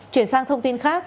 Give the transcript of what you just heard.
chuyển sang thông tin khác